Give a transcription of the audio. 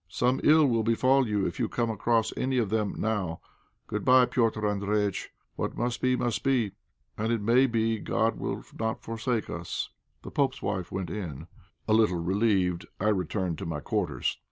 Some ill will befall you if you come across any of them now. Good bye, Petr' Andréjïtch. What must be, must be; and it may be God will not forsake us." The pope's wife went in; a little relieved, I returned to my quarters.